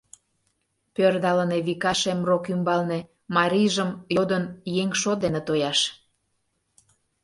Пӧрдалын Эвика шем рок ӱмбалне, Марийжым йодын еҥ шот ден тояш.